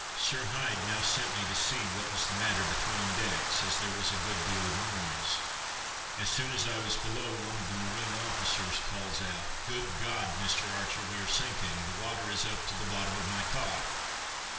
Sir Hyde now sent me to see what was the matter between decks, as there was a good deal of noise. As soon as I was below, one of the Marine officers calls out: "Good God Mr. Archer, we are sinking, the water is up to the bottom of my cot."